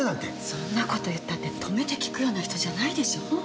そんなこと言ったって止めて聞くような人じゃないでしょ。